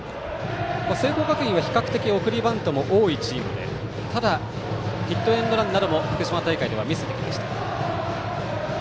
聖光学院は比較的送りバントも多いチームでただ、ヒットエンドランなども福島大会では見せてきました。